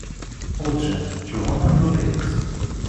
Отже, чого нам журитись?